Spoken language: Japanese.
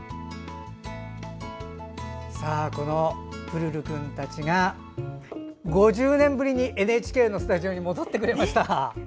そのプルルくんたちが５０年ぶりにＮＨＫのスタジオに戻ってくれました。